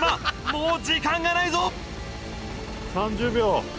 もう時間がないぞ！